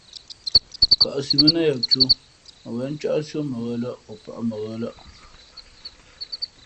Kα̌ʼ siʼ mα nά ya tū, mα wěn cάꞌsi ó mα ghə̌lᾱꞌ,o pάʼ mα ghə̌lᾱꞌ.